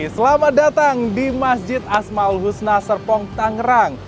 selamat datang di masjid asma ul husna serpong tangerang